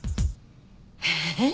えっ？